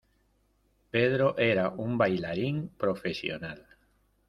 Pedro era un bailarín profesional.